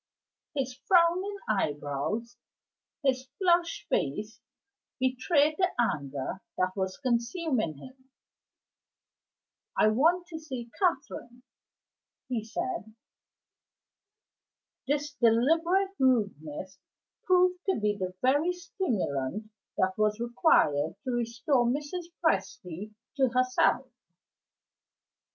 His frowning eyebrows, his flushed face, betrayed the anger that was consuming him. "I want to see Catherine," he said. This deliberate rudeness proved to be the very stimulant that was required to restore Mrs. Presty to herself.